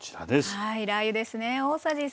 はいラー油ですね。